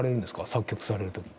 作曲される時に。